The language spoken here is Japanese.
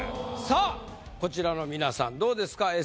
さあこちらの皆さんどうですか？